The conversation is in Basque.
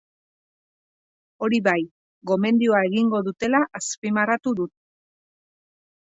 Hori bai, gomendioa egingo dutela azpimarratu du.